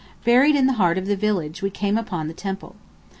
Buried in the heart of the village we came upon the temple.